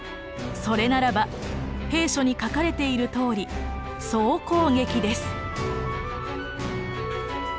それならば兵書に書かれているとおり総攻撃です！